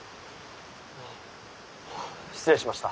あ失礼しました。